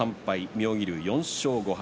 妙義龍、４勝５敗。